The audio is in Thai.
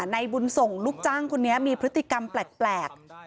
ในบุญส่งลูกจ้างคนนี้มีพฤติกรรมแปลก